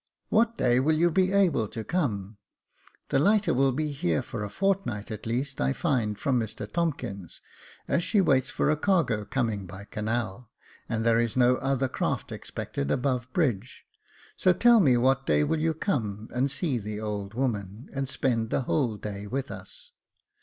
What day will you be able to come ? The lighter will be here for a fortnight, at least, I find from Mr Tompkins, as she waits for a cargo coming by canal, and there is no other craft expected above bridge, so tell me what day will you come and see the old woman, and spend the whole day with us.